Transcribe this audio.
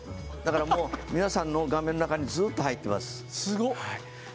だから、皆さんの画面の中にずっと入ってます。